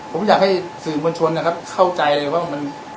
ผมอยากให้สื่อมวลชนนะครับเข้าใจเลยว่ามัน